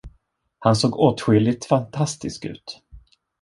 Han såg åtskilligt fantastisk ut.